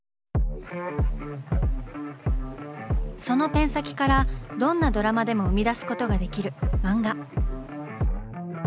そのペン先からどんなドラマでも生み出すことができる「漫画」。